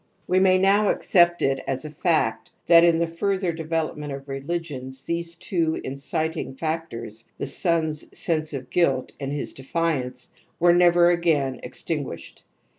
^ We may now accept it as a fact that in the ; further development of religions .these twpjn citing factors, the son's sense of guilt and his defiance, were never again extinguished.